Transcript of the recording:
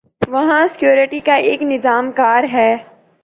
وہاں سکیورٹی کا ایک نظام کار ہے۔